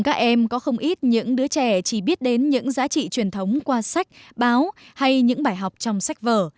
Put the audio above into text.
các em có không ít những đứa trẻ chỉ biết đến những giá trị truyền thống qua sách báo hay những bài học trong sách vở